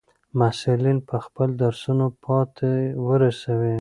محصلین به خپل درسونه پای ته ورسوي.